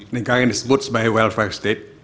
ningka yang disebut sebagai welfare state